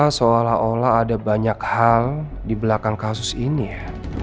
karena seolah olah ada banyak hal di belakang kasus ini ya